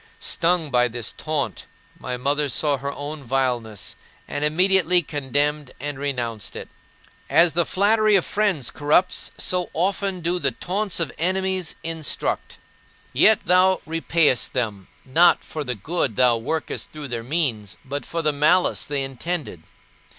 Stung by this taunt, my mother saw her own vileness and immediately condemned and renounced it. As the flattery of friends corrupts, so often do the taunts of enemies instruct. Yet thou repayest them, not for the good thou workest through their means, but for the malice they intended.